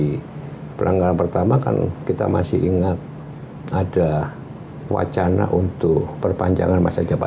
jadi pelanggaran pertama kan kita masih ingat ada wacana untuk perpanjangan masa jepang